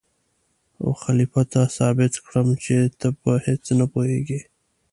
او خلیفه ته ثابت کړم چې ته په هېڅ نه پوهېږې.